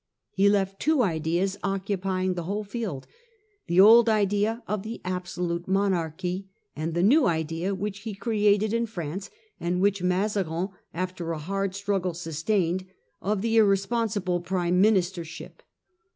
He left two ideas Prime The occupying the whole field— the old idea of the Ministership, absolute monarchy, and the new idea, which he created in France, and which Mazarin after a hard struggle sustained, of the irresponsible prime ministership.